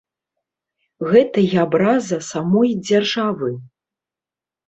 Гэта і абраза самой дзяржавы.